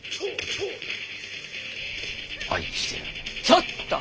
ちょっと！